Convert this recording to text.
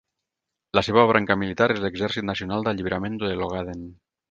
La seva branca militar és l'Exèrcit Nacional d'Alliberament de l'Ogaden.